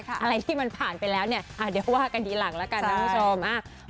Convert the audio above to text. อะไรที่มันผ่านไปแล้วเนี่ยเดี๋ยวว่ากันทีหลังแล้วกันนะคุณผู้ชม